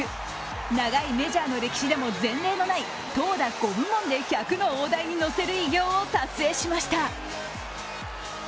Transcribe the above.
長いメジャーの歴史でも前例のない投打５部門で１００の大台に乗せる偉業を達成しました。